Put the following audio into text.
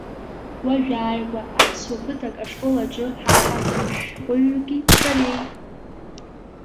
Уажәааигәа аԥсуа қыҭак ашкол аҿы ҳаҟан шәҟәыҩҩыки сареи.